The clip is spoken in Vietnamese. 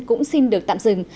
cũng xin được tạm dừng